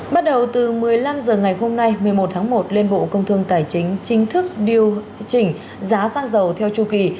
bắt đầu từ một mươi năm h ngày hôm nay một mươi một tháng một liên bộ công thương tài chính chính thức điều chỉnh giá xăng dầu theo chu kỳ